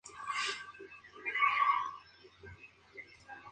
Es la capital de la provincia de Ninh Bình.